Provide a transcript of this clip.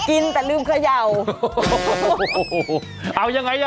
กินแต่ลืมเขย่าโอ้โหเอายังไงอ่ะ